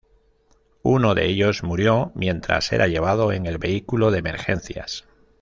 Uno de ellos murió mientras era llevado en el vehículo de emergencias.